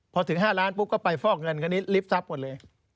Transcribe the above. พอถึง๕ล้านปุ๊บก็ไปฟอกเงินคันนี้ลิฟทรัพย์หมดเลย